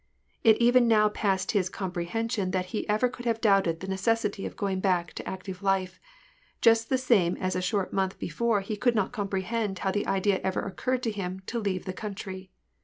It now even passed his comprehen sion that he could ever have doubted the necessity of going back to active life, just the same as a short month before he could not comprehend how the idea ever occurred to him to leave the country.